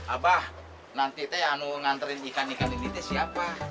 abah nanti tuh yang mau nganterin ikan ikan ini tuh siapa